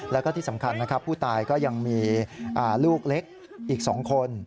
แล้วก็ที่สำคัญนะครับผู้ตายก็ยังมีลูกเล็กอีก๒คน